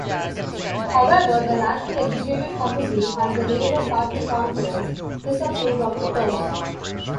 However, the National Executive Committee and the Labour Party Conference disapproved of the terms.